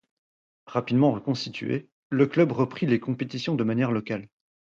Rapidement reconstitué, le club reprit les compétitions de manière locale.